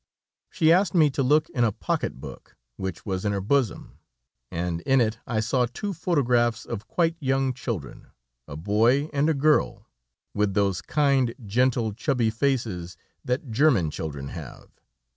She asked me to look in a pocketbook which was in her bosom, and in it I saw two photographs of quite young children, a boy and a girl, with those kind, gentle, chubby faces that German children have.